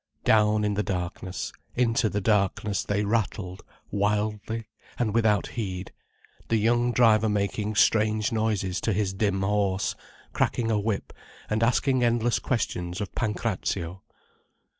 Down in the darkness into the darkness they rattled, wildly, and without heed, the young driver making strange noises to his dim horse, cracking a whip and asking endless questions of Pancrazio.